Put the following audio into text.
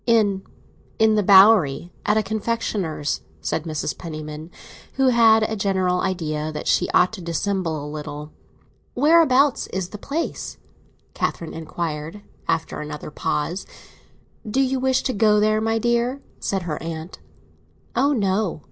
"In—in the Bowery; at a confectioner's," said Mrs. Penniman, who had a general idea that she ought to dissemble a little. "Whereabouts is the place?" Catherine inquired, after another pause. "Do you wish to go there, my dear?" said her aunt. "Oh no!"